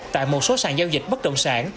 tại một số sàn giao dịch bất động sản